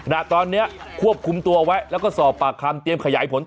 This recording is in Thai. ณตอนนี้ควบคุมตัวไว้แล้วก็สอบปากคำเตรียมขยายผลต่อ